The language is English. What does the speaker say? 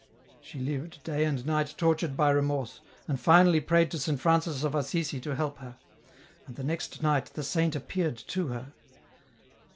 She lived, day and night tortured by remorse, and finally prayed to Saint Francis of Assisi to help her ; and the next night the saint appeared to her.